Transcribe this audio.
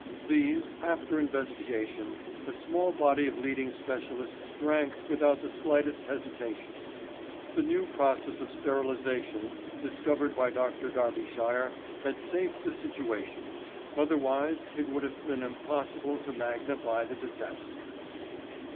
"These, after investigation, a small body of leading specialists drank without the slightest hesitation. The new process of sterilisation discovered by Dr. Darbyshire has saved the situation. Otherwise it would have been impossible to magnify the disaster."